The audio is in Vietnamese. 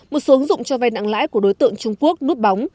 một số ứng dụng cho vay nặng lãi của đối tượng trung quốc núp bóng